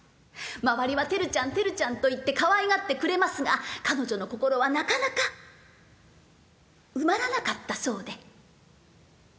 周りは「テルちゃんテルちゃん」と言ってかわいがってくれますが彼女の心はなかなか埋まらなかったそうで。